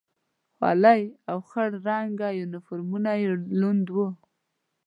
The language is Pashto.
خولۍ او خړ رنګه یونیفورمونه یې لوند و.